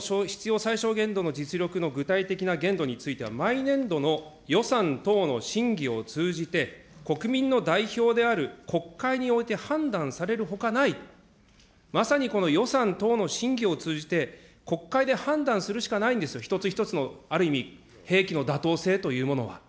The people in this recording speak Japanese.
最小限度の実力の具体的な限度については、毎年度の予算等の審議を通じて、国民の代表である国会において判断されるほかない、まさにこの予算等の審議を通じて、国会で判断するしかないんですよ、一つ一つの、ある意味、兵器の妥当性というものは。